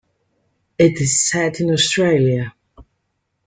It is set in Australia.